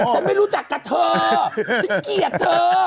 ไม่รู้จักกับเธอฉันเกลียดเธอ